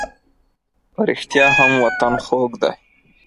په رښتیا هم وطن خوږ دی.